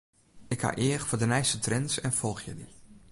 Ik ha each foar de nijste trends en folgje dy.